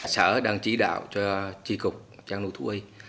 sở đang chỉ đạo cho tri cục trăn nuôi thú y